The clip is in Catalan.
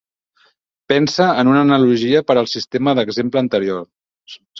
Pensa en una analogia per al sistema d'exemple anterior.